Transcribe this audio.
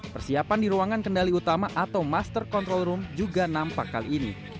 persiapan di ruangan kendali utama atau master control room juga nampak kali ini